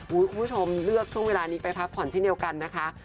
คุณผู้ชมเลือกช่วงเวลานี้ไปพักผ่อนเช่นเดียวกันนะคะ